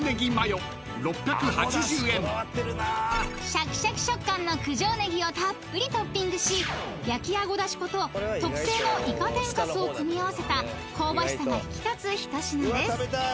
［シャキシャキ食感の九条ネギをたっぷりトッピングし焼きあごだし粉と特製のイカ天かすを組み合わせた香ばしさが引き立つ一品です］